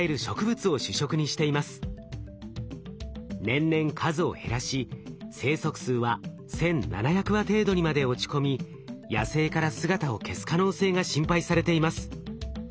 年々数を減らし生息数は１，７００羽程度にまで落ち込み野生から姿を消す可能性が心配されています。